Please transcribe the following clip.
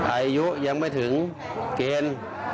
อายุยังไม่ถึงเกณฑ์